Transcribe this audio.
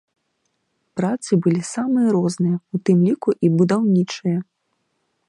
Працы былі самыя розныя, у тым ліку і будаўнічыя.